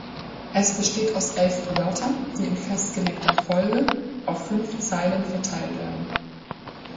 Es besteht aus elf Wörtern, die in festgelegter Folge auf fünf Zeilen verteilt werden.